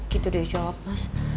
gitu dia jawab mas